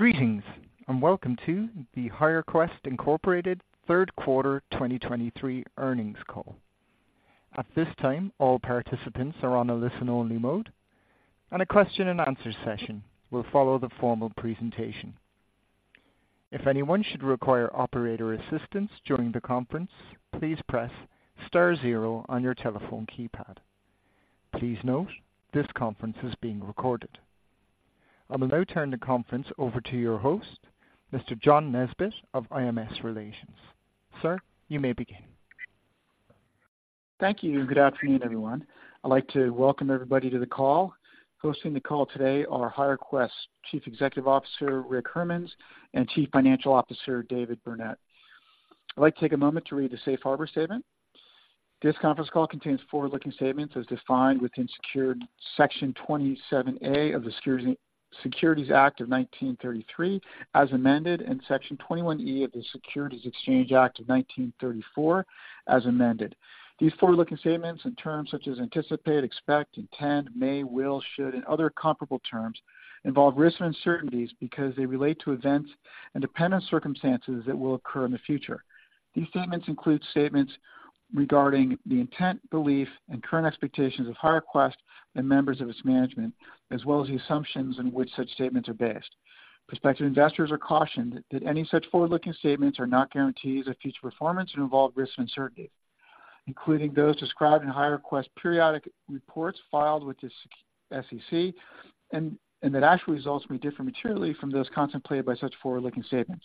Greetings, and welcome to the HireQuest Incorporated Third Quarter 2023 Earnings Call. At this time, all participants are on a listen-only mode, and a question-and-answer session will follow the formal presentation. If anyone should require operator assistance during the conference, please press star zero on your telephone keypad. Please note, this conference is being recorded. I will now turn the conference over to your host, Mr. John Nesbett of IMS Investor Relations. Sir, you may begin. Thank you, and good afternoon, everyone. I'd like to welcome everybody to the call. Hosting the call today are HireQuest Chief Executive Officer, Rick Hermanns, and Chief Financial Officer, David Burnett. I'd like to take a moment to read the Safe Harbor statement. This conference call contains forward-looking statements as defined within Section 27A of the Securities Act of 1933, as amended, and Section 21E of the Securities Exchange Act of 1934, as amended. These forward-looking terms, in terms such as anticipate, expect, intend, may, will, should, and other comparable terms, involve risks and uncertainties because they relate to events and dependent circumstances that will occur in the future. These statements include statements regarding the intent, belief, and current expectations of HireQuest and members of its management, as well as the assumptions on which such statements are based. Prospective investors are cautioned that any such forward-looking statements are not guarantees of future performance and involve risks and uncertainties, including those described in HireQuest's periodic reports filed with the SEC, and that actual results may differ materially from those contemplated by such forward-looking statements.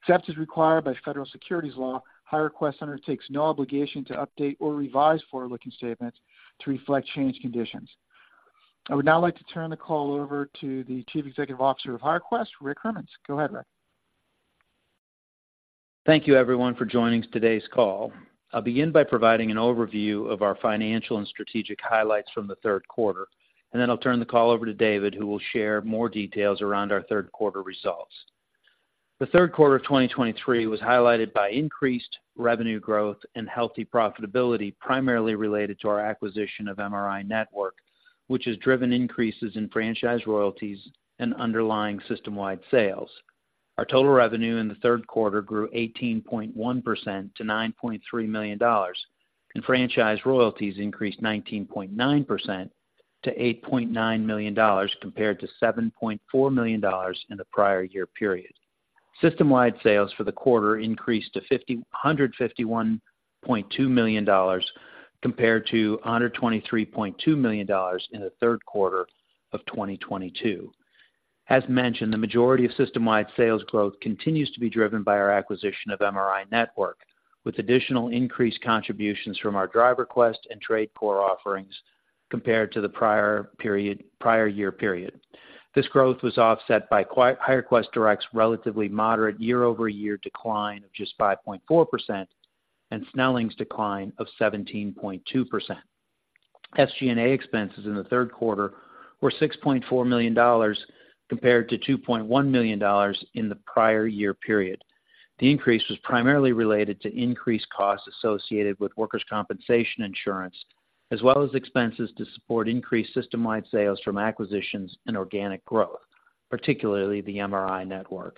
Except as required by federal securities law, HireQuest undertakes no obligation to update or revise forward-looking statements to reflect changed conditions. I would now like to turn the call over to the Chief Executive Officer of HireQuest, Rick Hermanns. Go ahead, Rick. Thank you, everyone, for joining today's call. I'll begin by providing an overview of our financial and strategic highlights from the third quarter, and then I'll turn the call over to David, who will share more details around our third quarter results. The third quarter of 2023 was highlighted by increased revenue growth and healthy profitability, primarily related to our acquisition of MRINetwork, which has driven increases in franchise royalties and underlying system-wide sales. Our total revenue in the third quarter grew 18.1% to $9.3 million, and franchise royalties increased 19.9% to $8.9 million, compared to $7.4 million in the prior year period. System-wide sales for the quarter increased to $151.2 million, compared to $123.2 million in the third quarter of 2022. As mentioned, the majority of system-wide sales growth continues to be driven by our acquisition of MRINetwork, with additional increased contributions from our DriverQuest and TradeCorp offerings compared to the prior period, prior year period. This growth was offset by HireQuest Direct's relatively moderate year-over-year decline of just 5.4% and Snelling's decline of 17.2%. SG&A expenses in the third quarter were $6.4 million, compared to $2.1 million in the prior year period. The increase was primarily related to increased costs associated with workers' compensation insurance, as well as expenses to support increased system-wide sales from acquisitions and organic growth, particularly the MRINetwork.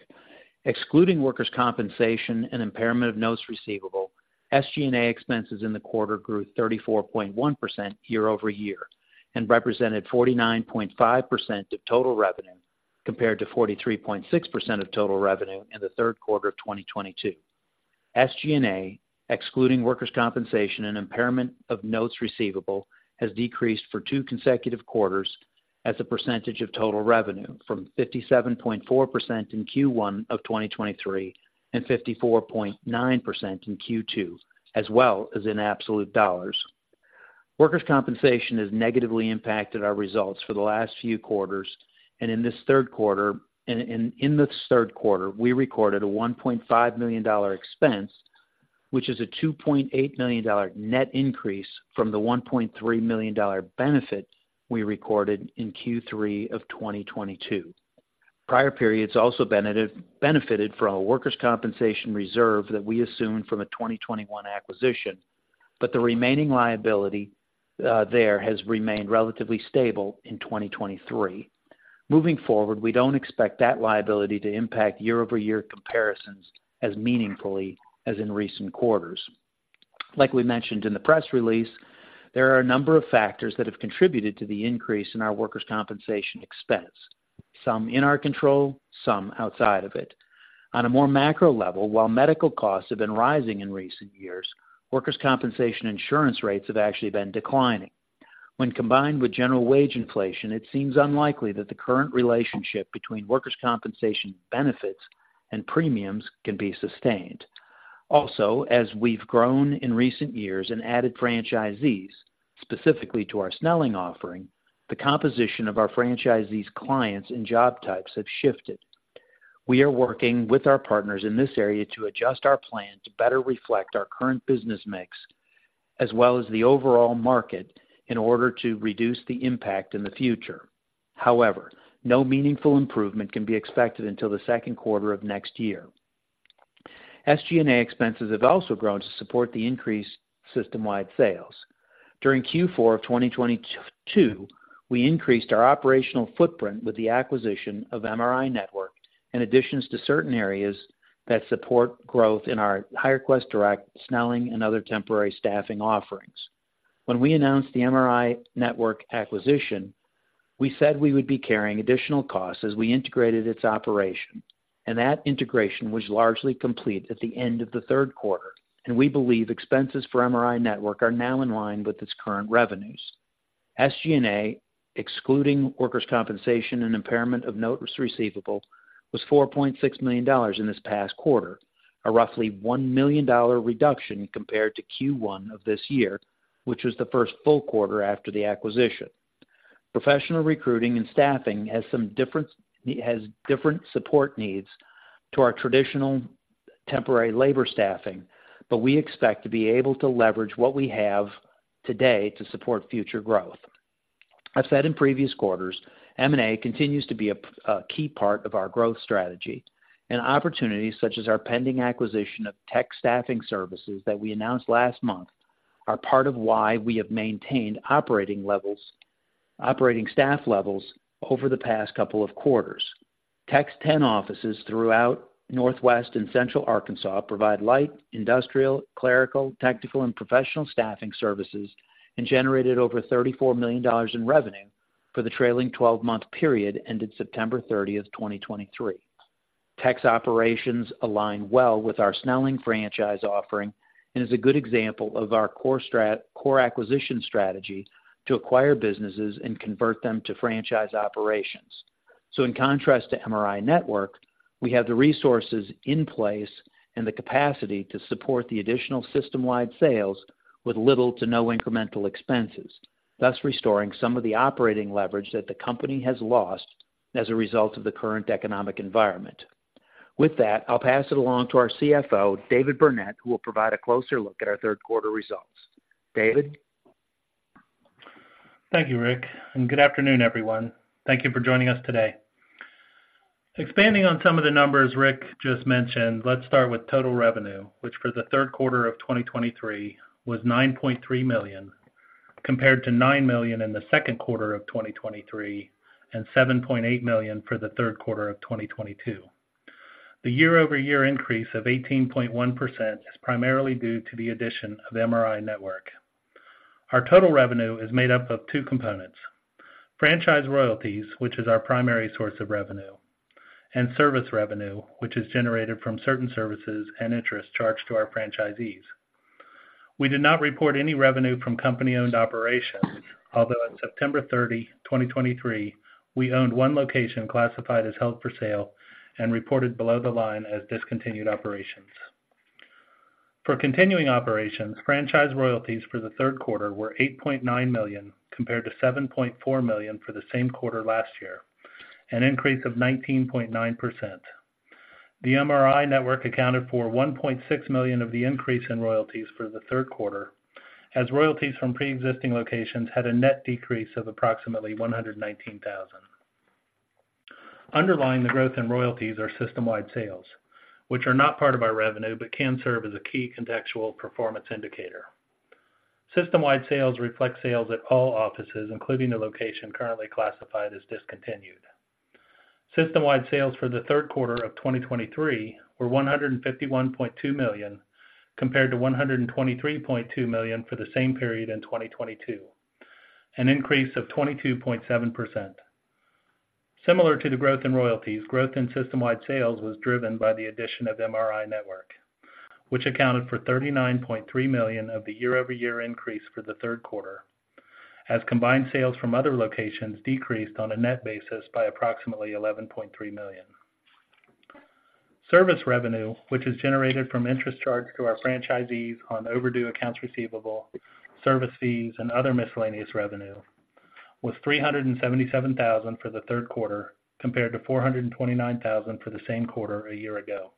Excluding workers' compensation and impairment of notes receivable, SG&A expenses in the quarter grew 34.1% year-over-year and represented 49.5% of total revenue, compared to 43.6% of total revenue in the third quarter of 2022. SG&A, excluding workers' compensation and impairment of notes receivable, has decreased for two consecutive quarters as a percentage of total revenue from 57.4% in Q1 of 2023 and 54.9% in Q2, as well as in absolute dollars. Workers' compensation has negatively impacted our results for the last few quarters, and in this third quarter, we recorded a $1.5 million expense, which is a $2.8 million net increase from the $1.3 million benefit we recorded in Q3 of 2022. Prior periods also benefited from a workers' compensation reserve that we assumed from a 2021 acquisition, but the remaining liability there has remained relatively stable in 2023. Moving forward, we don't expect that liability to impact year-over-year comparisons as meaningfully as in recent quarters. Like we mentioned in the press release, there are a number of factors that have contributed to the increase in our workers' compensation expense, some in our control, some outside of it. On a more macro level, while medical costs have been rising in recent years, workers' compensation insurance rates have actually been declining. When combined with general wage inflation, it seems unlikely that the current relationship between workers' compensation benefits and premiums can be sustained. Also, as we've grown in recent years and added franchisees, specifically to our Snelling offering, the composition of our franchisees, clients, and job types have shifted. We are working with our partners in this area to adjust our plan to better reflect our current business mix as well as the overall market in order to reduce the impact in the future. However, no meaningful improvement can be expected until the second quarter of next year. SG&A expenses have also grown to support the increased system-wide sales. During Q4 of 2022, we increased our operational footprint with the acquisition of MRINetwork and additions to certain areas that support growth in our HireQuest Direct, Snelling, and other temporary staffing offerings. When we announced the MRINetwork acquisition, we said we would be carrying additional costs as we integrated its operation, and that integration was largely complete at the end of the third quarter, and we believe expenses for MRINetwork are now in line with its current revenues. SG&A, excluding workers' compensation and impairment of notes receivable, was $4.6 million in this past quarter, a roughly $1 million reduction compared to Q1 of this year, which was the first full quarter after the acquisition. Professional recruiting and staffing has different support needs to our traditional temporary labor staffing, but we expect to be able to leverage what we have today to support future growth. I've said in previous quarters, M&A continues to be a key part of our growth strategy, and opportunities such as our pending acquisition of TEC Staffing Services that we announced last month are part of why we have maintained operating levels, operating staff levels over the past couple of quarters. TEC's 10 offices throughout Northwest and Central Arkansas provide light, industrial, clerical, technical, and professional staffing services, and generated over $34 million in revenue for the trailing twelve-month period ended September 30, 2023. TEC's operations align well with our Snelling franchise offering and is a good example of our core acquisition strategy to acquire businesses and convert them to franchise operations. So in contrast to MRINetwork, we have the resources in place and the capacity to support the additional system-wide sales with little to no incremental expenses, thus restoring some of the operating leverage that the company has lost as a result of the current economic environment. With that, I'll pass it along to our CFO, David Burnett, who will provide a closer look at our third quarter results. David? Thank you, Rick, and good afternoon, everyone. Thank you for joining us today. Expanding on some of the numbers Rick just mentioned, let's start with total revenue, which for the third quarter of 2023 was $9.3 million, compared to $9 million in the second quarter of 2023, and $7.8 million for the third quarter of 2022. The year-over-year increase of 18.1% is primarily due to the addition of MRINetwork. Our total revenue is made up of two components: franchise royalties, which is our primary source of revenue, and service revenue, which is generated from certain services and interests charged to our franchisees. We did not report any revenue from company-owned operations, although on September 30, 2023, we owned one location classified as held for sale and reported below the line as discontinued operations. For continuing operations, franchise royalties for the third quarter were $8.9 million, compared to $7.4 million for the same quarter last year, an increase of 19.9%. The MRINetwork accounted for $1.6 million of the increase in royalties for the third quarter, as royalties from pre-existing locations had a net decrease of approximately $119,000. Underlying the growth in royalties are system-wide sales, which are not part of our revenue, but can serve as a key contextual performance indicator. System-wide sales reflect sales at all offices, including the location currently classified as discontinued. System-wide sales for the third quarter of 2023 were $151.2 million, compared to $123.2 million for the same period in 2022, an increase of 22.7%. Similar to the growth in royalties, growth in system-wide sales was driven by the addition of MRINetwork, which accounted for $39.3 million of the year-over-year increase for the third quarter, as combined sales from other locations decreased on a net basis by approximately $11.3 million. Service revenue, which is generated from interest charged to our franchisees on overdue accounts receivable, service fees, and other miscellaneous revenue, was $377,000 for the third quarter, compared to $429,000 for the same quarter a year ago.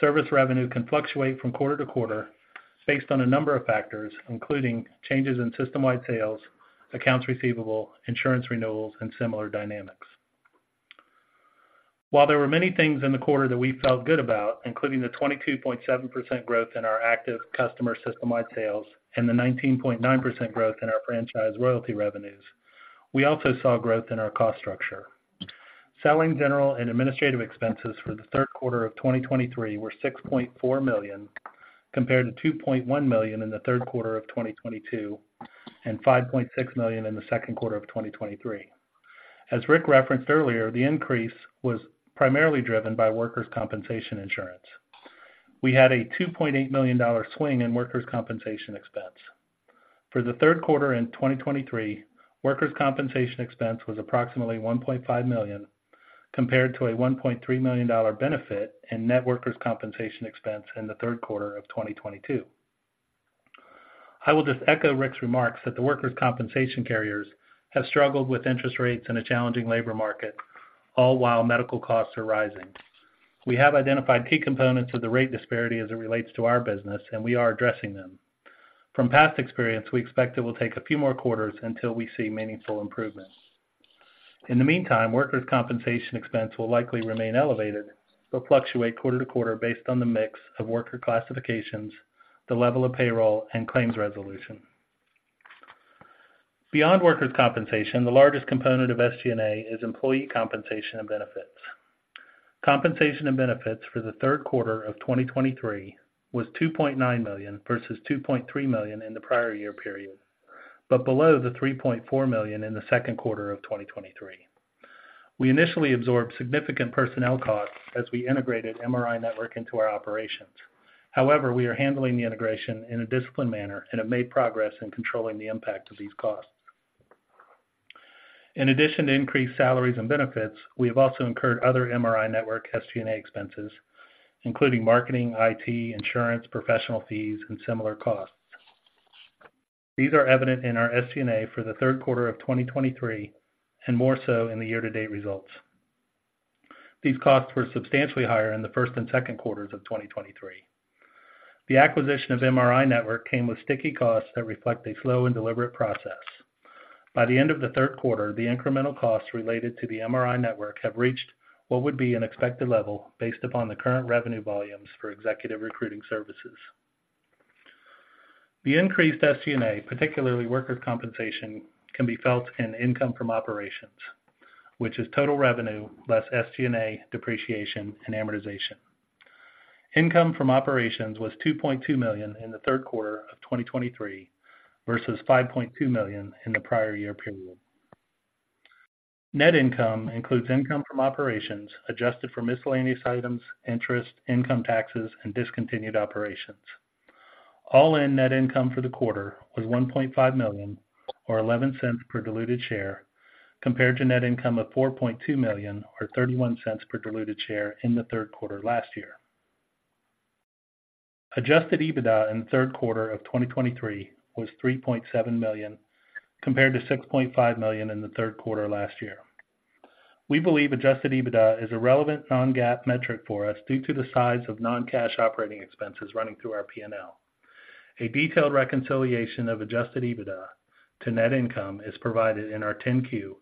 Service revenue can fluctuate from quarter to quarter based on a number of factors, including changes in system-wide sales, accounts receivable, insurance renewals, and similar dynamics. While there were many things in the quarter that we felt good about, including the 22.7% growth in our active customer system-wide sales and the 19.9% growth in our franchise royalty revenues, we also saw growth in our cost structure. Selling, general, and administrative expenses for the third quarter of 2023 were $6.4 million, compared to $2.1 million in the third quarter of 2022, and $5.6 million in the second quarter of 2023. As Rick referenced earlier, the increase was primarily driven by workers' compensation insurance. We had a $2.8 million swing in workers' compensation expense. For the third quarter of 2023, Workers' Compensation expense was approximately $1.5 million, compared to a $1.3 million benefit in net Workers' Compensation expense in the third quarter of 2022. I will just echo Rick's remarks that the Workers' Compensation carriers have struggled with interest rates and a challenging labor market, all while medical costs are rising. We have identified key components of the rate disparity as it relates to our business, and we are addressing them. From past experience, we expect it will take a few more quarters until we see meaningful improvement... In the meantime, Workers' Compensation expense will likely remain elevated, but fluctuate quarter-to-quarter based on the mix of worker classifications, the level of payroll, and claims resolution. Beyond Workers' Compensation, the largest component of SG&A is employee compensation and benefits. Compensation and benefits for the third quarter of 2023 was $2.9 million, versus $2.3 million in the prior year period, but below the $3.4 million in the second quarter of 2023. We initially absorbed significant personnel costs as we integrated MRINetwork into our operations. However, we are handling the integration in a disciplined manner and have made progress in controlling the impact of these costs. In addition to increased salaries and benefits, we have also incurred other MRINetwork SG&A expenses, including marketing, IT, insurance, professional fees, and similar costs. These are evident in our SG&A for the third quarter of 2023, and more so in the year-to-date results. These costs were substantially higher in the first and second quarters of 2023. The acquisition of MRINetwork came with sticky costs that reflect a slow and deliberate process. By the end of the third quarter, the incremental costs related to the MRI network have reached what would be an expected level, based upon the current revenue volumes for executive recruiting services. The increased SG&A, particularly Workers' Compensation, can be felt in income from operations, which is total revenue less SG&A, depreciation, and amortization. Income from operations was $2.2 million in the third quarter of 2023, versus $5.2 million in the prior year period. Net income includes income from operations, adjusted for miscellaneous items, interest, income taxes, and discontinued operations. All-in net income for the quarter was $1.5 million, or $0.11 per diluted share, compared to net income of $4.2 million, or $0.31 per diluted share in the third quarter last year. Adjusted EBITDA in the third quarter of 2023 was $3.7 million, compared to $6.5 million in the third quarter last year. We believe Adjusted EBITDA is a relevant non-GAAP metric for us due to the size of non-cash operating expenses running through our P&L. A detailed reconciliation of Adjusted EBITDA to net income is provided in our Form 10-Q,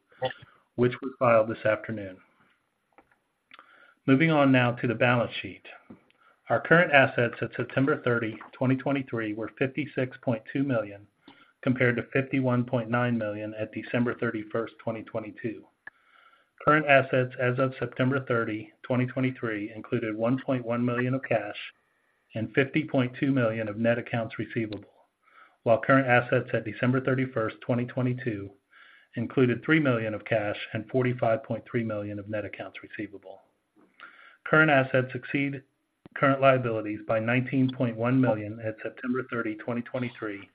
which was filed this afternoon. Moving on now to the balance sheet. Our current assets at September 30, 2023, were $56.2 million, compared to $51.9 million at December 31, 2022. Current assets as of September 30, 2023, included $1.1 million of cash and $50.2 million of net accounts receivable, while current assets at December 31, 2022, included $3 million of cash and $45.3 million of net accounts receivable. Current assets exceed current liabilities by $19.1 million at September 30, 2023,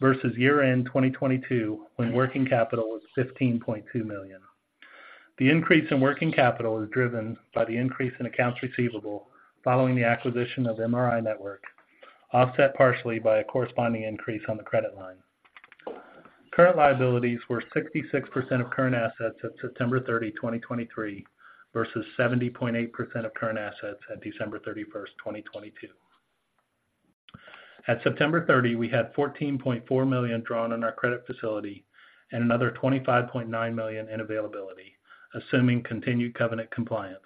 versus year-end 2022, when working capital was $15.2 million. The increase in working capital is driven by the increase in accounts receivable following the acquisition of MRINetwork, offset partially by a corresponding increase on the credit line. Current liabilities were 66% of current assets at September 30, 2023, versus 70.8% of current assets at December 31, 2022. At September 30, we had $14.4 million drawn on our credit facility and another $25.9 million in availability, assuming continued covenant compliance.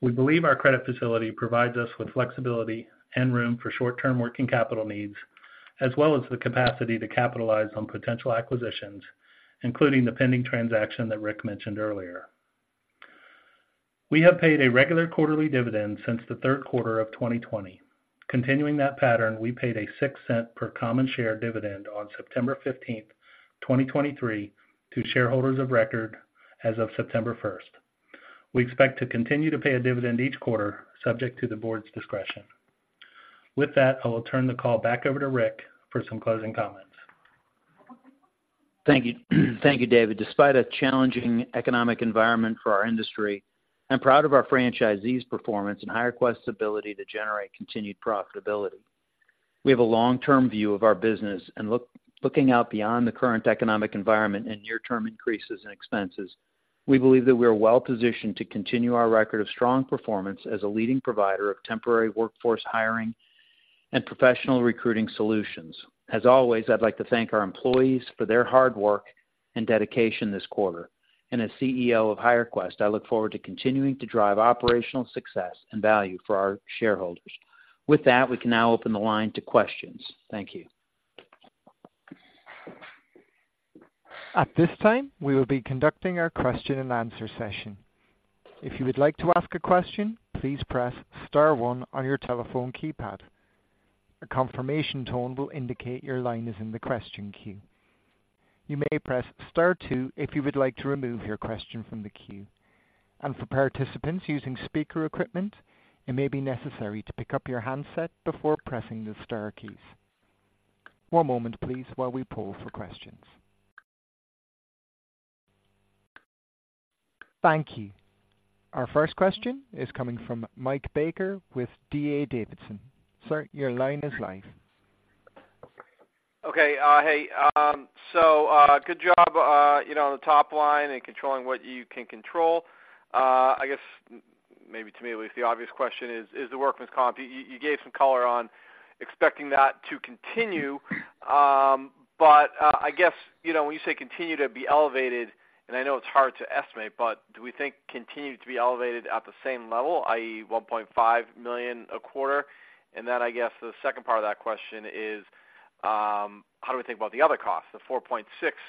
We believe our credit facility provides us with flexibility and room for short-term working capital needs, as well as the capacity to capitalize on potential acquisitions, including the pending transaction that Rick mentioned earlier. We have paid a regular quarterly dividend since the third quarter of 2020. Continuing that pattern, we paid a $0.06 per common share dividend on September 15th, 2023, to shareholders of record as of September 1st. We expect to continue to pay a dividend each quarter, subject to the board's discretion. With that, I will turn the call back over to Rick for some closing comments. Thank you. Thank you, David. Despite a challenging economic environment for our industry, I'm proud of our franchisees' performance and HireQuest's ability to generate continued profitability. We have a long-term view of our business, and looking out beyond the current economic environment and near-term increases in expenses, we believe that we are well positioned to continue our record of strong performance as a leading provider of temporary workforce hiring and professional recruiting solutions. As always, I'd like to thank our employees for their hard work and dedication this quarter. And as CEO of HireQuest, I look forward to continuing to drive operational success and value for our shareholders. With that, we can now open the line to questions. Thank you. At this time, we will be conducting our question and answer session. If you would like to ask a question, please press star one on your telephone keypad. A confirmation tone will indicate your line is in the question queue. You may press star two if you would like to remove your question from the queue. For participants using speaker equipment, it may be necessary to pick up your handset before pressing the star keys. One moment, please, while we poll for questions. Thank you. Our first question is coming from Mike Baker with D.A. Davidson. Sir, your line is live. Okay, hey, so, good job, you know, on the top line and controlling what you can control. I guess m-... maybe to me, at least, the obvious question is, is the workers' comp. You gave some color on expecting that to continue. But, I guess, you know, when you say continue to be elevated, and I know it's hard to estimate, but do we think continue to be elevated at the same level, i.e., $1.5 million a quarter? And then I guess the second part of that question is, how do we think about the other costs, the $4.6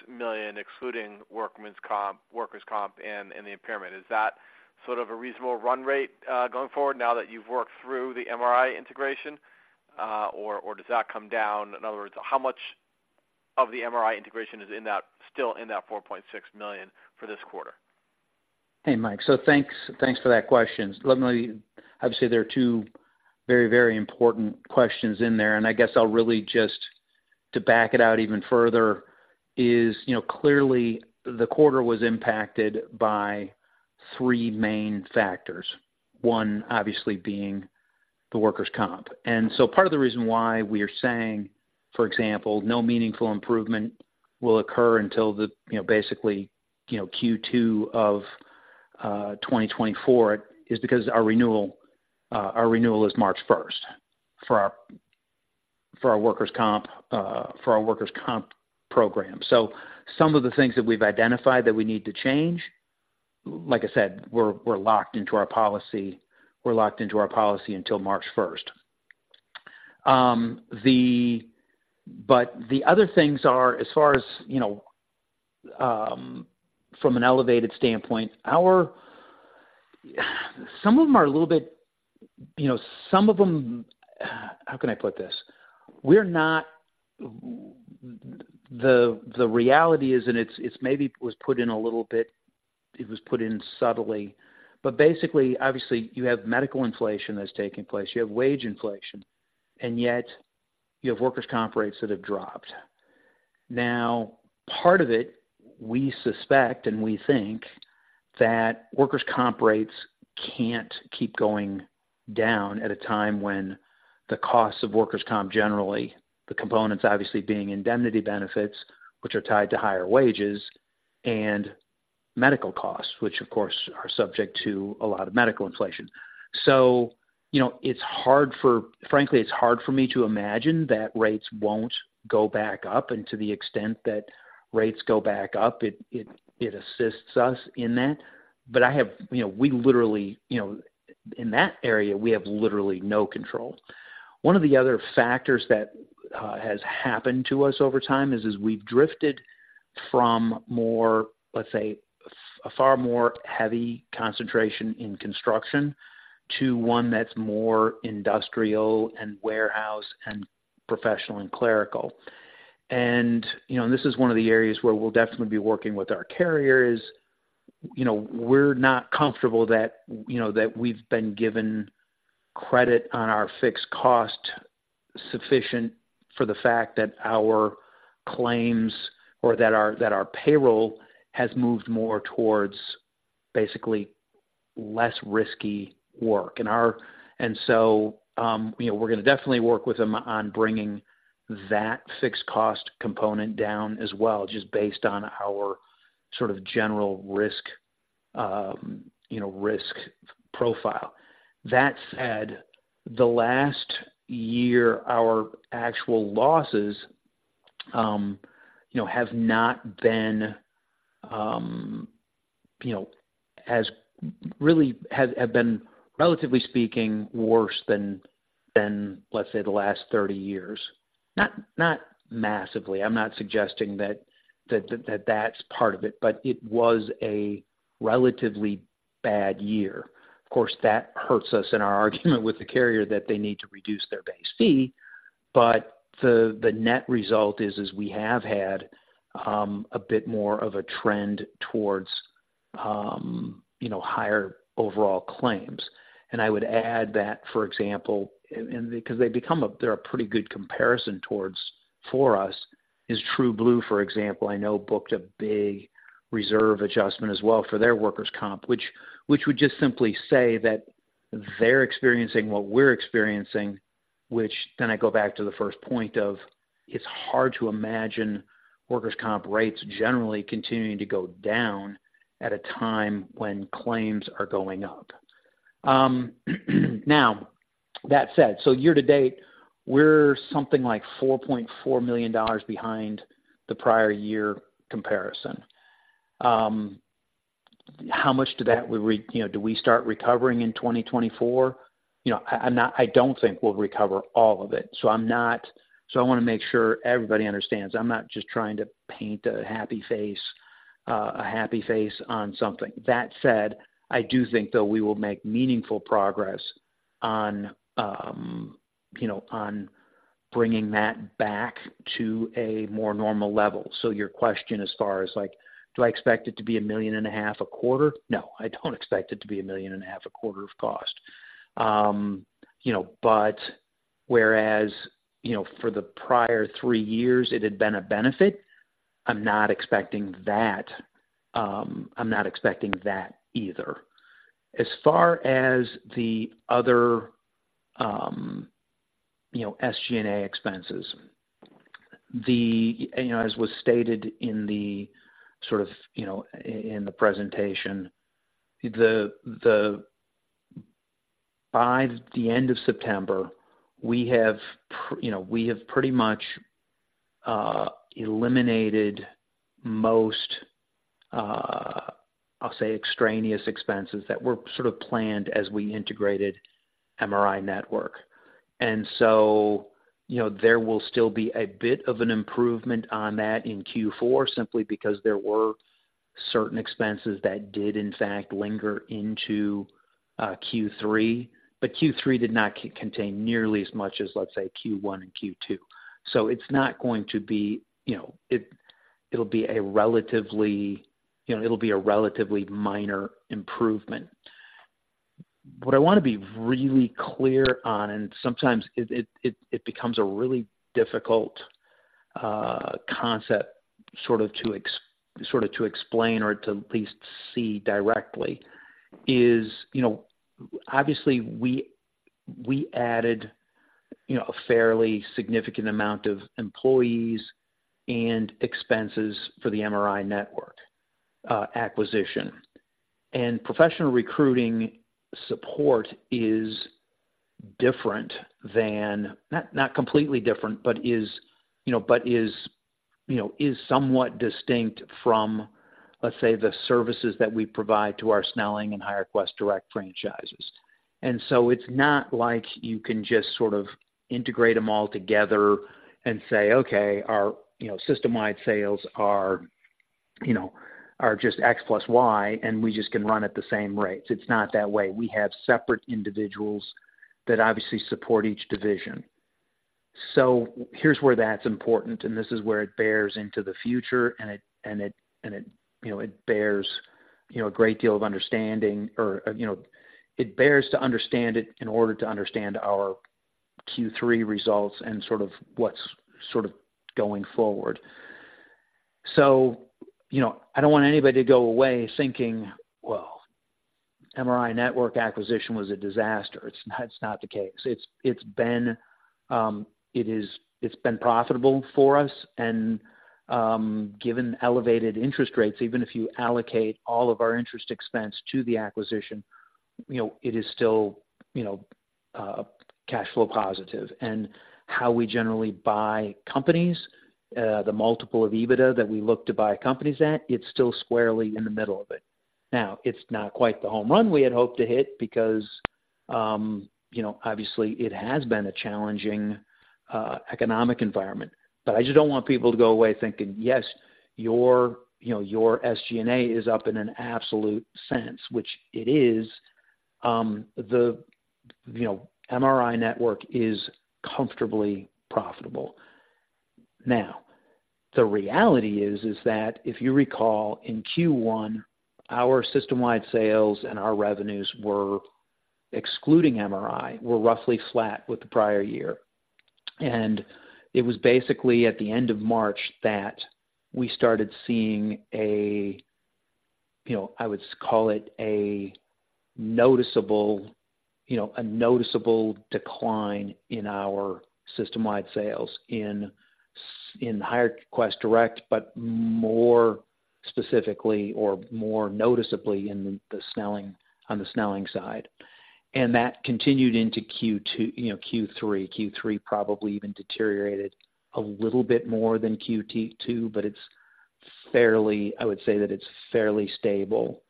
million, excluding workers' comp-workers' comp and the impairment? Is that sort of a reasonable run rate, going forward now that you've worked through the MRI integration, or does that come down? In other words, how much of the MRI integration is in that, still in that $4.6 million for this quarter? Hey, Mike. So thanks, thanks for that question. Let me obviously, there are two very, very important questions in there, and I guess I'll really, just to back it out even further, is, you know, clearly the quarter was impacted by three main factors. One, obviously being the workers' comp. And so part of the reason why we are saying, for example, no meaningful improvement will occur until the, you know, basically, you know, Q2 of 2024, is because our renewal, our renewal is March 1st for our, for our workers' comp, for our workers' comp program. So some of the things that we've identified that we need to change, like I said, we're, we're locked into our policy, we're locked into our policy until March 1st. The... But the other things are, as far as, you know, from an elevated standpoint, some of them are a little bit, you know, some of them, how can I put this? The reality is, and it's, it's maybe was put in a little bit, it was put in subtly, but basically, obviously, you have medical inflation that's taking place, you have wage inflation, and yet you have workers' comp rates that have dropped. Now, part of it, we suspect and we think that workers' comp rates can't keep going down at a time when the cost of workers' comp, generally, the components obviously being indemnity benefits, which are tied to higher wages and medical costs, which of course, are subject to a lot of medical inflation. So, you know, it's hard for... Frankly, it's hard for me to imagine that rates won't go back up. And to the extent that rates go back up, it assists us in that. But I have, you know, we literally, you know, in that area, we have literally no control. One of the other factors that has happened to us over time is we've drifted from more, let's say, a far more heavy concentration in construction to one that's more industrial and warehouse and professional and clerical. And, you know, this is one of the areas where we'll definitely be working with our carriers. You know, we're not comfortable that, you know, that we've been given credit on our fixed cost sufficient for the fact that our claims or that our payroll has moved more towards basically less risky work. So, you know, we're going to definitely work with them on bringing that fixed cost component down as well, just based on our sort of general risk, you know, risk profile. That said, the last year, our actual losses, you know, have not been, you know, have really been, relatively speaking, worse than, than, let's say, the last 30 years. Not massively. I'm not suggesting that that's part of it, but it was a relatively bad year. Of course, that hurts us in our argument with the carrier, that they need to reduce their base fee. But the net result is we have had a bit more of a trend towards, you know, higher overall claims. And I would add that, for example, and because they've become they're a pretty good comparison towards, for us, is TrueBlue, for example. I know booked a big reserve adjustment as well for their workers' comp, which would just simply say that they're experiencing what we're experiencing, which then I go back to the first point of: it's hard to imagine workers' comp rates generally continuing to go down at a time when claims are going up. Now, that said, year to date, we're something like $4.4 million behind the prior year comparison. How much of that would we, you know, do we start recovering in 2024? You know, I don't think we'll recover all of it, so I'm not. So I want to make sure everybody understands. I'm not just trying to paint a happy face, a happy face on something. That said, I do think, though, we will make meaningful progress on, you know, on bringing that back to a more normal level. So your question as far as like, do I expect it to be $1.5 million a quarter? No, I don't expect it to be $1.5 million a quarter of cost. You know, but whereas, you know, for the prior three years it had been a benefit, I'm not expecting that, I'm not expecting that either. As far as the other, you know, SG&A expenses-... You know, as was stated in the sort of, you know, in the presentation, by the end of September, we have pretty much eliminated most, I'll say, extraneous expenses that were sort of planned as we integrated MRINetwork. And so, you know, there will still be a bit of an improvement on that in Q4, simply because there were certain expenses that did in fact linger into Q3. But Q3 did not contain nearly as much as, let's say, Q1 and Q2. So it's not going to be, you know, it'll be a relatively, you know, it'll be a relatively minor improvement. What I wanna be really clear on, and sometimes it becomes a really difficult concept, sort of to explain or to at least see directly, is, you know, obviously, we added, you know, a fairly significant amount of employees and expenses for the MRINetwork acquisition. And professional recruiting support is different than... Not completely different, but is, you know, somewhat distinct from, let's say, the services that we provide to our Snelling and HireQuest Direct franchises. And so it's not like you can just sort of integrate them all together and say, "Okay, our, you know, system-wide sales are, you know, just X plus Y, and we just can run at the same rates." It's not that way. We have separate individuals that obviously support each division. So here's where that's important, and this is where it bears into the future, you know, it bears, you know, a great deal of understanding or, you know, it bears to understand it in order to understand our Q3 results and sort of what's sort of going forward. So, you know, I don't want anybody to go away thinking, "Well, MRINetwork acquisition was a disaster." It's not, it's not the case. It's, it's been profitable for us, and given elevated interest rates, even if you allocate all of our interest expense to the acquisition, you know, it is still, you know, cash flow positive. And how we generally buy companies, the multiple of EBITDA that we look to buy companies at, it's still squarely in the middle of it. Now, it's not quite the home run we had hoped to hit because, you know, obviously, it has been a challenging economic environment. But I just don't want people to go away thinking, "Yes, your, you know, your SG&A is up in an absolute sense," which it is. The, you know, MRINetwork is comfortably profitable. Now, the reality is, is that if you recall, in Q1, our system-wide sales and our revenues were excluding MRI, were roughly flat with the prior year. And it was basically at the end of March that we started seeing a, you know, I would call it a noticeable, you know, a noticeable decline in our system-wide sales in HireQuest Direct, but more specifically or more noticeably in the Snelling, on the Snelling side. And that continued into Q2, you know, Q3. Q3 probably even deteriorated a little bit more than Q2, but it's fairly... I would say that it's fairly stable.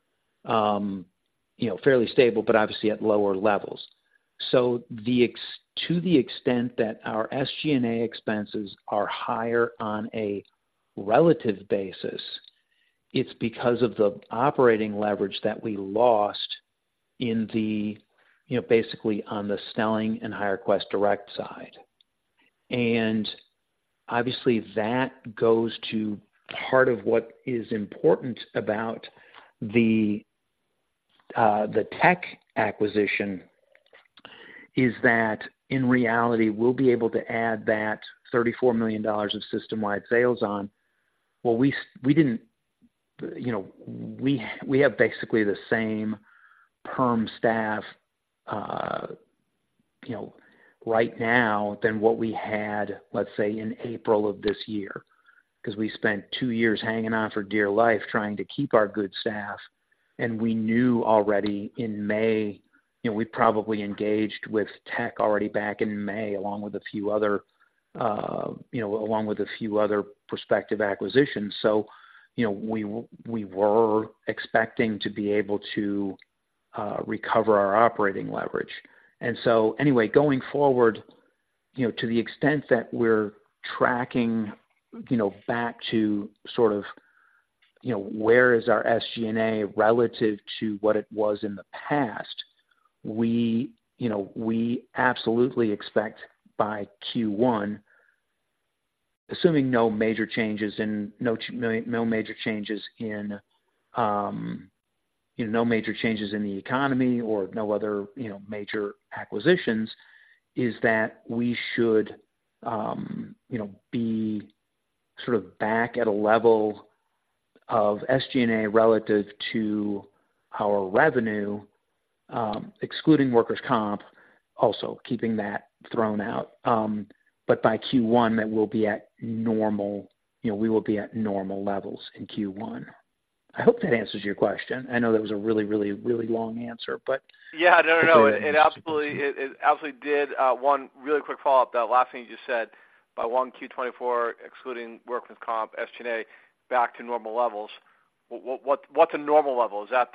You know, fairly stable, but obviously at lower levels. So to the extent that our SG&A expenses are higher on a relative basis, it's because of the operating leverage that we lost in the, you know, basically on the Snelling and HireQuest Direct side. And obviously, that goes to part of what is important about the TEC acquisition, is that in reality, we'll be able to add that $34 million of system-wide sales on. Well, we didn't, you know, we have basically the same perm staff, you know, right now than what we had, let's say, in April of this year. Because we spent two years hanging on for dear life, trying to keep our good staff, and we knew already in May, you know, we probably engaged with TEC already back in May, along with a few other prospective acquisitions. So, you know, we were expecting to be able to recover our operating leverage. And so anyway, going forward, you know, to the extent that we're tracking, you know, back to sort of, you know, where is our SG&A relative to what it was in the past, we, you know, we absolutely expect by Q1, assuming no major changes in the economy or no other, you know, major acquisitions, is that we should, you know, be sort of back at a level-... of SG&A relative to our revenue, excluding workers' comp, also keeping that thrown out. But by Q1, that will be at normal, you know, we will be at normal levels in Q1. I hope that answers your question. I know that was a really, really, really long answer, but- Yeah, no, no, no, it absolutely did. One really quick follow-up. That last thing you just said, by 1Q 2024, excluding workers' comp, SG&A, back to normal levels. What, what's a normal level? Is that,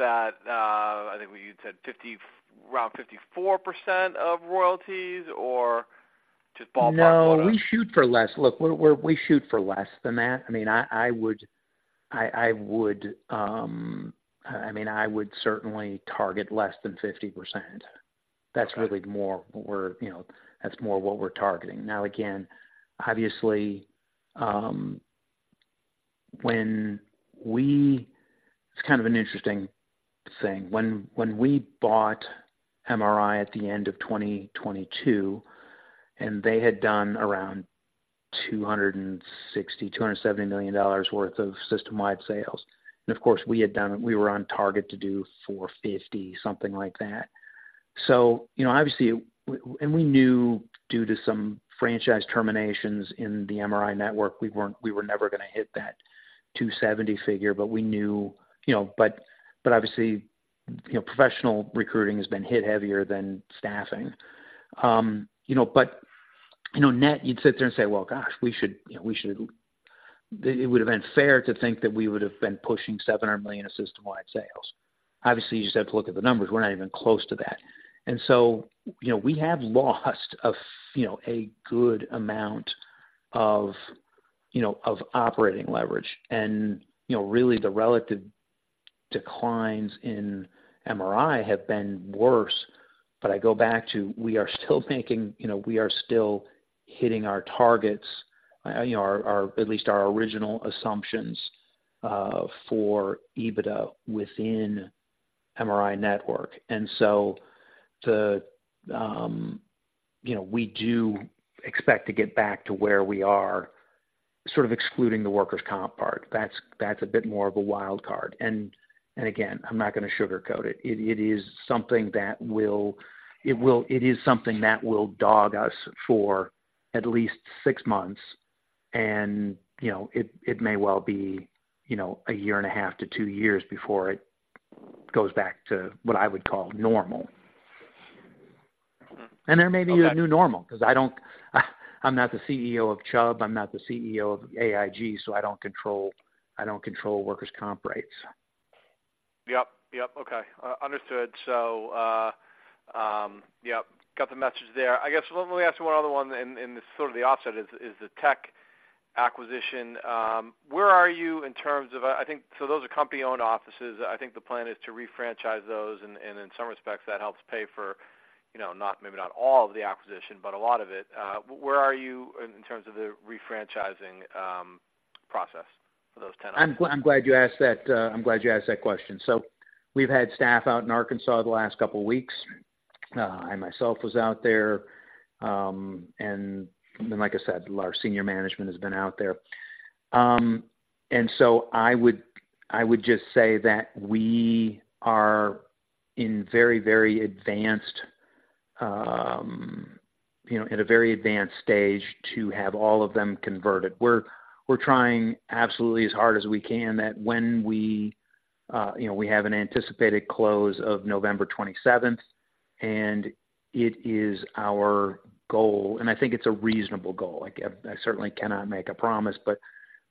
I think you'd said 54% of royalties or just ballpark? No, we shoot for less. Look, we're, we're, we shoot for less than that. I mean, I would certainly target less than 50%. Okay. That's really more what we're, you know, that's more what we're targeting. Now, again, obviously, when we-- It's kind of an interesting thing. When we bought MRI at the end of 2022, and they had done around $260-$270 million worth of system-wide sales. And of course, we had done, we were on target to do $450, something like that. So you know, obviously, and we knew due to some franchise terminations in the MRINetwork, we weren't, we were never gonna hit that $270 million figure, but we knew... You know, but, but obviously, you know, professional recruiting has been hit heavier than staffing. You know, but, you know, net, you'd sit there and say, "Well, gosh, we should, you know, we should," it would have been fair to think that we would have been pushing $700 million in system-wide sales. Obviously, you just have to look at the numbers. We're not even close to that. And so, you know, we have lost a good amount of operating leverage. And, you know, really, the relative declines in MRI have been worse. But I go back to, we are still making, you know, we are still hitting our targets, you know, our, our, at least our original assumptions for EBITDA within MRINetwork. And so the, you know, we do expect to get back to where we are, sort of excluding the workers' comp part. That's a bit more of a wild card. And again, I'm not gonna sugarcoat it. It is something that will dog us for at least six months. And, you know, it may well be, you know, a year and a half to two years before it goes back to what I would call normal. And there may be a new normal, because I'm not the CEO of Chubb, I'm not the CEO of AIG, so I don't control workers' comp rates. Yep. Yep. Okay, understood. So, yep, got the message there. I guess let me ask you one other one, and this is sort of the opposite, is the TEC acquisition. Where are you in terms of, I think... So those are company-owned offices. I think the plan is to refranchise those, and in some respects, that helps pay for, you know, not, maybe not all of the acquisition, but a lot of it. Where are you in terms of the refranchising, process for those 10? I'm glad you asked that. I'm glad you asked that question. So we've had staff out in Arkansas the last couple of weeks. I myself was out there, and then, like I said, our senior management has been out there. And so I would, I would just say that we are in very, very advanced, you know, at a very advanced stage to have all of them converted. We're, we're trying absolutely as hard as we can, that when we, you know, we have an anticipated close of November 27th, and it is our goal, and I think it's a reasonable goal. Like, I, I certainly cannot make a promise, but,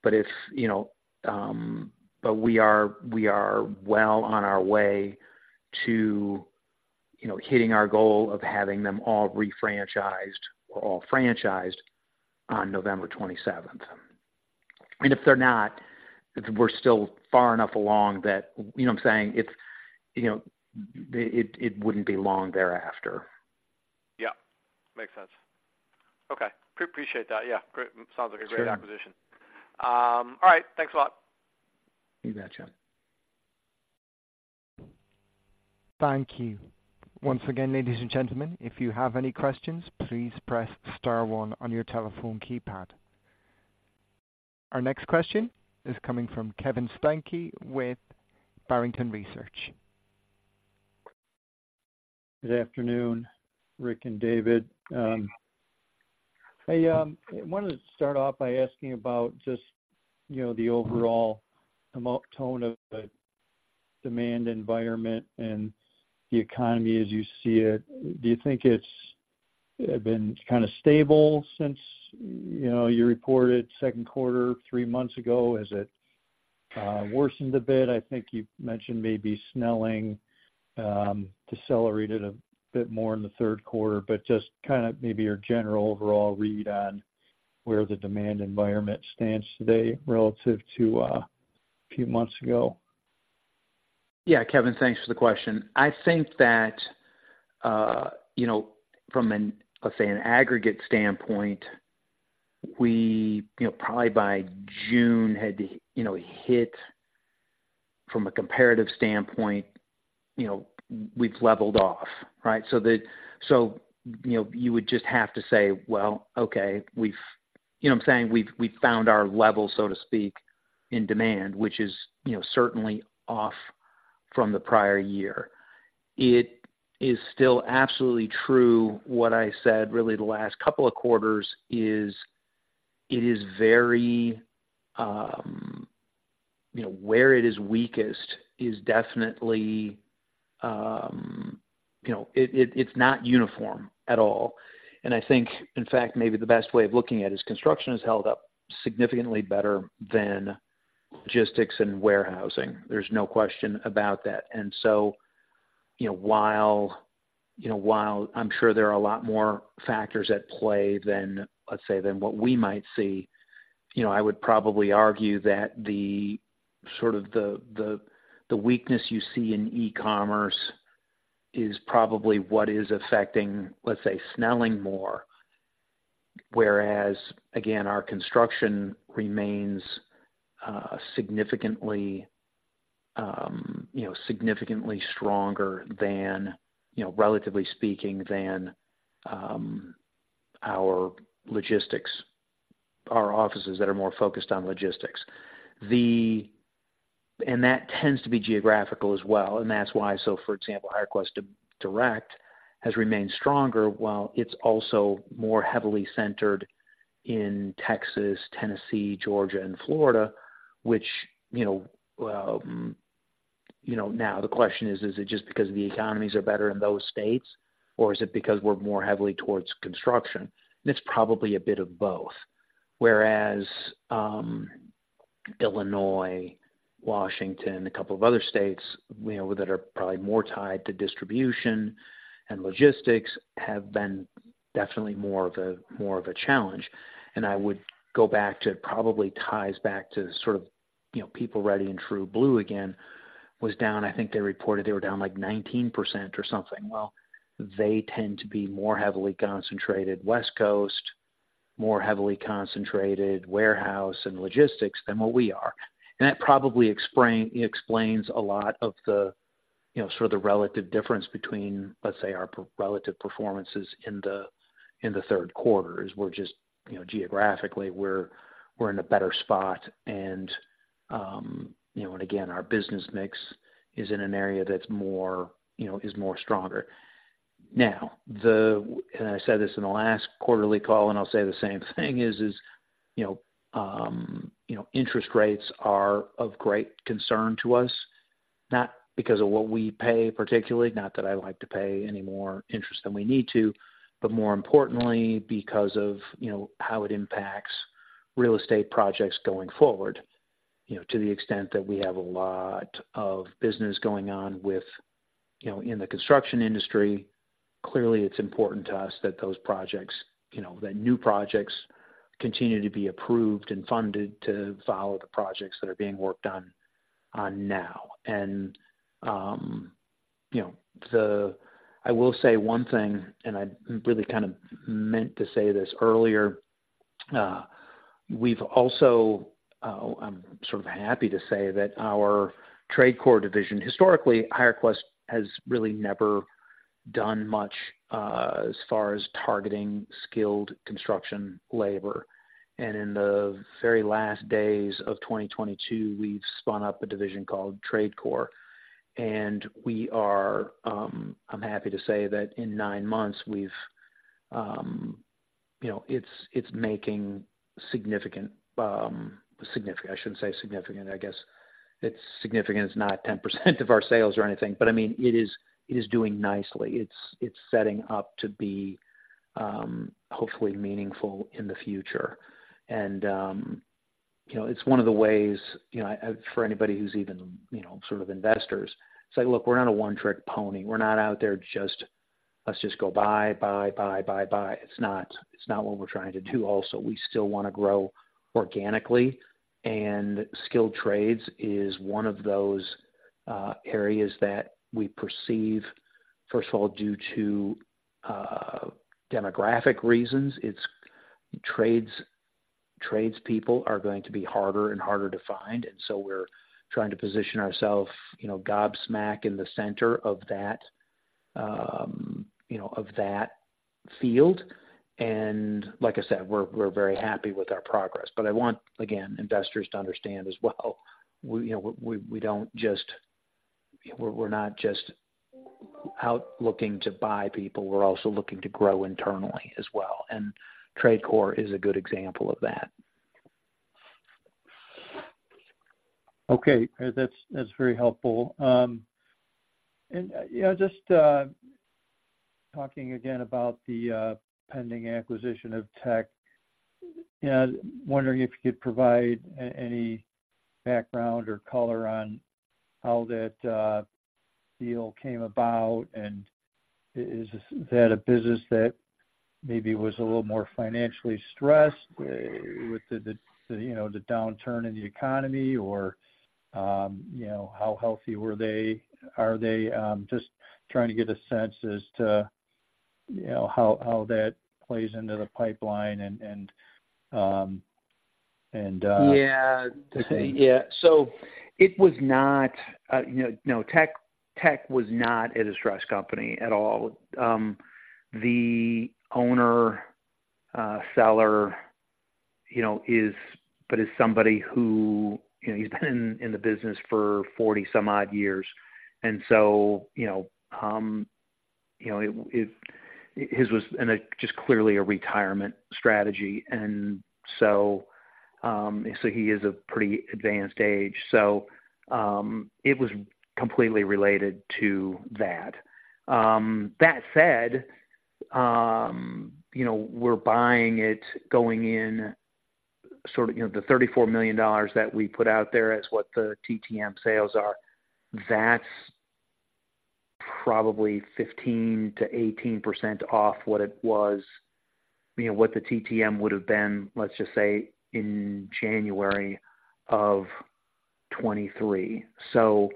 but if, you know, But we are, we are well on our way to, you know, hitting our goal of having them all refranchised or all franchised on November 27th. If they're not, if we're still far enough along that, you know what I'm saying? It's, you know, it wouldn't be long thereafter. Yeah, makes sense. Okay, appreciate that. Yeah, great. Sure. Sounds like a great acquisition. All right, thanks a lot. You bet, Mike. Thank you. Once again, ladies and gentlemen, if you have any questions, please press star one on your telephone keypad. Our next question is coming from Kevin Steinke with Barrington Research. Good afternoon, Rick and David. I wanted to start off by asking about just, you know, the overall amount tone of the demand environment and the economy as you see it. Do you think it's been kind of stable since, you know, you reported second quarter, three months ago? Has it worsened a bit? I think you mentioned maybe Snelling decelerated a bit more in the third quarter, but just kind of maybe your general overall read on where the demand environment stands today relative to a few months ago. Yeah, Kevin, thanks for the question. I think that, you know, from an, let's say, an aggregate standpoint, we, you know, probably by June had, you know, from a comparative standpoint, you know, we've leveled off, right? So, you know, you would just have to say, well, okay, we've you know what I'm saying? We've found our level, so to speak, in demand, which is, you know, certainly off from the prior year. It is still absolutely true what I said, really, the last couple of quarters, is it is very, you know, where it is weakest is definitely, you know, it, it's not uniform at all. And I think, in fact, maybe the best way of looking at it is construction has held up significantly better than logistics and warehousing. There's no question about that. So, you know, while, you know, while I'm sure there are a lot more factors at play than, let's say, than what we might see, you know, I would probably argue that the sort of weakness you see in e-commerce is probably what is affecting, let's say, Snelling more. Whereas, again, our construction remains significantly, you know, significantly stronger than, you know, relatively speaking, than our logistics, our offices that are more focused on logistics. And that tends to be geographical as well, and that's why. So for example, HireQuest Direct has remained stronger, while it's also more heavily centered in Texas, Tennessee, Georgia, and Florida, which, you know, you know, now the question is, is it just because the economies are better in those states, or is it because we're more heavily towards construction? And it's probably a bit of both. Whereas, Illinois, Washington, a couple of other states, you know, that are probably more tied to distribution and logistics, have been definitely more of a, more of a challenge. And I would go back to, it probably ties back to sort of, you know, PeopleReady and TrueBlue again, was down. I think they reported they were down, like, 19% or something. Well, they tend to be more heavily concentrated West Coast, more heavily concentrated warehouse and logistics than what we are. And that probably explains a lot of the, you know, sort of the relative difference between, let's say, our relative performances in the, in the third quarter, is we're just, you know, geographically, we're, we're in a better spot. And, you know, and again, our business mix is in an area that's more, you know, is more stronger. Now, the... And I said this in the last quarterly call, and I'll say the same thing, you know, you know, interest rates are of great concern to us, not because of what we pay, particularly, not that I like to pay any more interest than we need to, but more importantly, because of, you know, how it impacts real estate projects going forward. You know, to the extent that we have a lot of business going on with, you know, in the construction industry. Clearly, it's important to us that those projects, you know, that new projects continue to be approved and funded to follow the projects that are being worked on now. And, you know, the... I will say one thing, and I really kind of meant to say this earlier, we've also, I'm sort of happy to say that our TradeCorp division. Historically, HireQuest has really never done much, as far as targeting skilled construction labor. And in the very last days of 2022, we've spun up a division called TradeCorp, and we are, I'm happy to say that in nine months we've, you know, it's, it's making significant, significant, I shouldn't say significant. I guess it's significant. It's not 10% of our sales or anything, but I mean, it is, it is doing nicely. It's, it's setting up to be, hopefully meaningful in the future. And, you know, it's one of the ways, you know, for anybody who's even, you know, sort of investors, say: Look, we're not a one-trick pony. We're not out there just, let's just go buy, buy, buy, buy, buy. It's not, it's not what we're trying to do. Also, we still wanna grow organically, and skilled trades is one of those areas that we perceive, first of all, due to demographic reasons, it's trades, trades people are going to be harder and harder to find. And so we're trying to position ourselves, you know, smack dab in the center of that, you know, of that field. And like I said, we're, we're very happy with our progress. But I want, again, investors to understand as well, we, you know, we, we don't just... We're, we're not just out looking to buy people, we're also looking to grow internally as well. And TradeCorp is a good example of that. Okay, that's, that's very helpful. And, you know, just talking again about the pending acquisition of TEC, and wondering if you could provide any background or color on how that deal came about, and is that a business that maybe was a little more financially stressed with the, you know, the downturn in the economy? Or, you know, how healthy were they? Are they just trying to get a sense as to you know, how that plays into the pipeline and, and, and. Yeah. Yeah. So it was not, you know, no, TEC, TEC was not a distressed company at all. The owner, seller, you know, is, but is somebody who, you know, he's been in the business for 40-some odd years. And so, you know, you know, it, it, his was in a just clearly a retirement strategy. And so, so he is a pretty advanced age. So, it was completely related to that. That said, you know, we're buying it, going in sort of, you know, the $34 million that we put out there as what the TTM sales are. That's probably 15%-18% off what it was, you know, what the TTM would have been, let's just say, in January of 2023. So,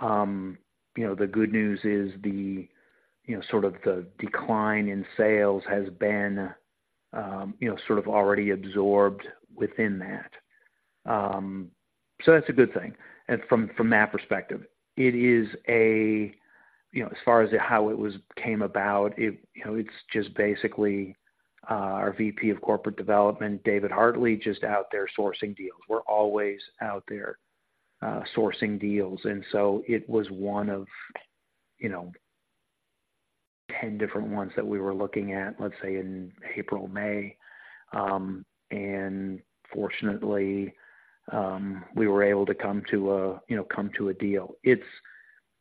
you know, the good news is the, you know, sort of the decline in sales has been, you know, sort of already absorbed within that. So that's a good thing. And from, from that perspective, it is a, you know, as far as how it was came about, it, you know, it's just basically, our VP of Corporate Development, David Hartley, just out there sourcing deals. We're always out there, sourcing deals, and so it was one of, you know, 10 different ones that we were looking at, let's say, in April, May. And fortunately, we were able to come to a, you know, come to a deal. It's,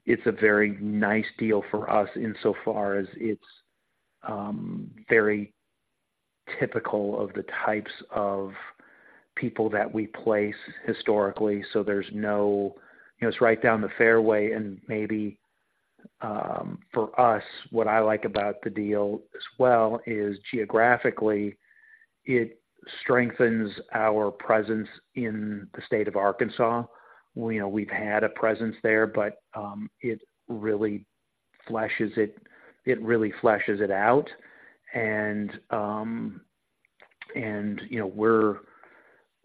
it's a very nice deal for us in so far as it's, very typical of the types of people that we place historically. So there's no... You know, it's right down the fairway and maybe, for us, what I like about the deal as well is geographically, it strengthens our presence in the state of Arkansas. You know, we've had a presence there, but, it really fleshes it out. And, you know,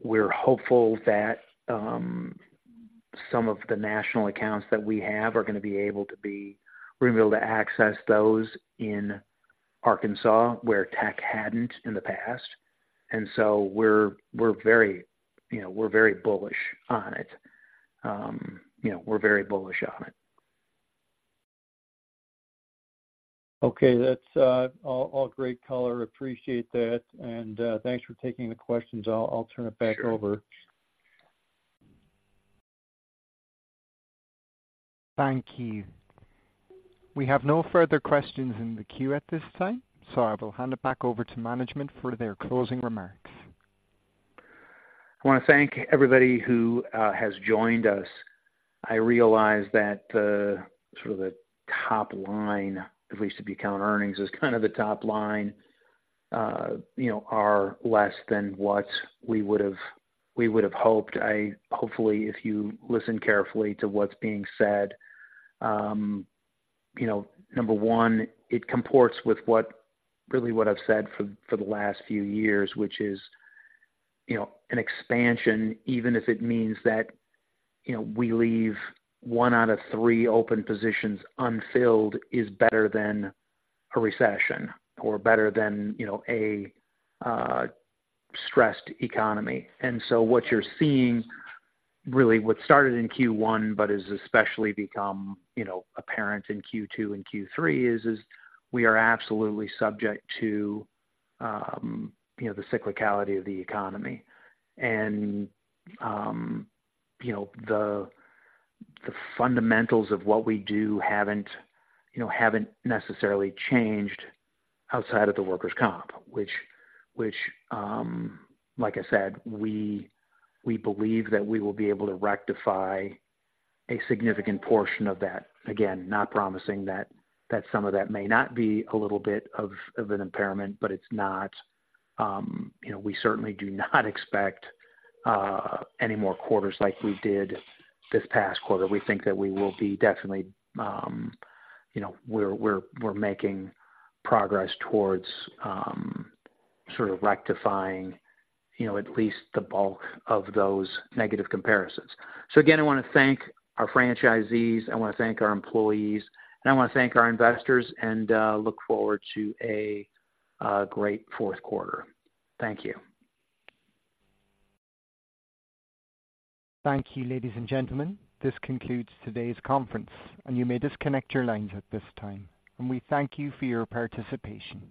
we're hopeful that some of the national accounts that we have we're gonna be able to access those in Arkansas, where TEC hadn't in the past. And so we're very, you know, we're very bullish on it. You know, we're very bullish on it. Okay, that's all, all great color. Appreciate that, and thanks for taking the questions. I'll, I'll turn it back over. Thank you. We have no further questions in the queue at this time, so I will hand it back over to management for their closing remarks. I want to thank everybody who has joined us. I realize that, sort of the top line, at least to be account earnings, is kind of the top line, you know, are less than what we would have, we would have hoped. Hopefully, if you listen carefully to what's being said, you know, number one, it comports with what, really what I've said for the last few years, which is, you know, an expansion, even if it means that, you know, we leave one out of three open positions unfilled, is better than a recession or better than, you know, a stressed economy. And so what you're seeing, really what started in Q1 but has especially become, you know, apparent in Q2 and Q3, is we are absolutely subject to, you know, the cyclicality of the economy. You know, the fundamentals of what we do haven't, you know, haven't necessarily changed outside of the workers' comp, which, like I said, we believe that we will be able to rectify a significant portion of that. Again, not promising that some of that may not be a little bit of an impairment, but it's not, you know, we certainly do not expect any more quarters like we did this past quarter. We think that we will be definitely, you know, we're making progress towards sort of rectifying, you know, at least the bulk of those negative comparisons. So again, I want to thank our franchisees, I want to thank our employees, and I want to thank our investors, and look forward to a great fourth quarter. Thank you. Thank you, ladies and gentlemen. This concludes today's conference, and you may disconnect your lines at this time, and we thank you for your participation.